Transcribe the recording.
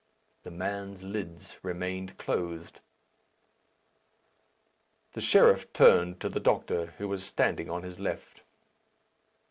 The man's lids remained closed. The sheriff turned to the doctor, who was standing on his left.